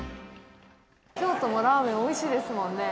京都のラーメン、おいしいですもんね。